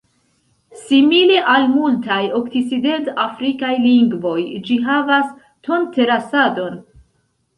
Simile al multaj Okcident-Afrikaj lingvoj, ĝi havas ton-terasadon.